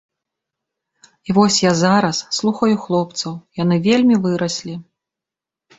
І вось я зараз слухаю хлопцаў, яны вельмі выраслі.